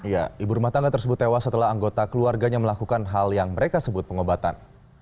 ya ibu rumah tangga tersebut tewas setelah anggota keluarganya melakukan hal yang mereka sebut pengobatan